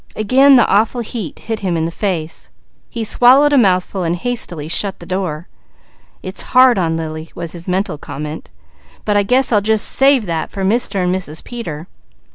Again the awful heat hit him in the face. He swallowed a mouthful, hastily shutting the door. "It's hard on Lily," was his mental comment, "but I guess I'll just save that for Mr. and Mrs. Peter.